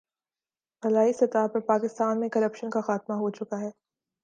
بالائی سطح پر پاکستان میں کرپشن کا خاتمہ ہو چکا ہے۔